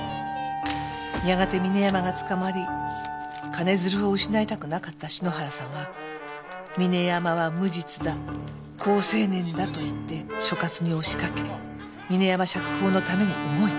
やがて峰山が捕まり金づるを失いたくなかった篠原さんは峰山は無実だ好青年だと言って所轄に押しかけ峰山釈放のために動いた。